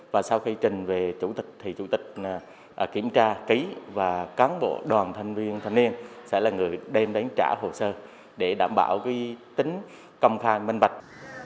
và sau khi trình về chủ tịch thì chủ tịch kiểm tra ký và cán bộ đoàn thanh viên thanh niên sẽ là người đem đến trả hồ sơ để đảm bảo tính công khai minh vạch